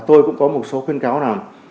tôi cũng có một số khuyến cáo nào